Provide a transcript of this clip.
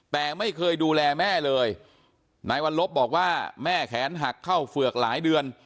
แต่ไม่เคยดูแลแม่เลยนายวัลลบบอกว่าแม่แขนหักเข้าเฝือกหลายเดือน